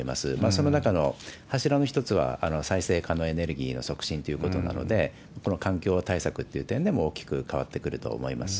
その中の柱の一つは再生可能エネルギーの促進ということなので、この環境対策っていう点でも、大きく変わってくると思います。